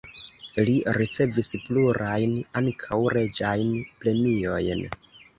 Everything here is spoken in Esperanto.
Li ricevis plurajn, ankaŭ reĝajn premiojn.